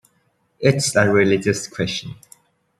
It's a religious question.